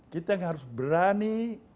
kita yang harus berani